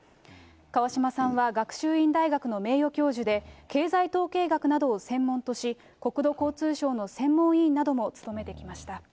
川嶋さんは学習院大学の名誉教授で、経済統計学などを専門とし、国土交通省の専門委員なども務めてきました。